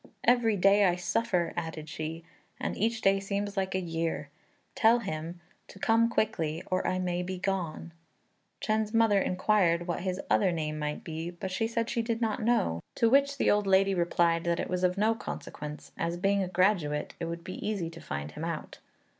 "Every day I suffer," added she, "and each day seems like a year. Tell him to come quickly, or I may be gone." Chên's mother inquired what his other name might be, but she said she did not know; to which the old lady replied that it was of no consequence, as, being a graduate, it would be easy to find him out.